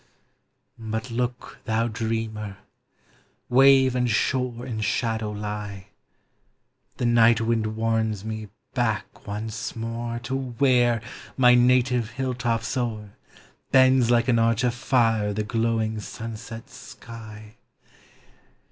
But look, thou dreamer! — wave and shore In shadow lie; The night wind warns me back once more To where, my native hill tops o'er, Bends like an arch of fire the glowing sunset sky!